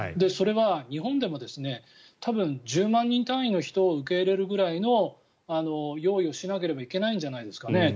それは日本でも多分、１０万人単位の人を受け入れるぐらいの用意をしなければいけないんじゃないですかね。